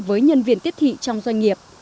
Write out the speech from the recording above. với nhân viên tiếp thị trong doanh nghiệp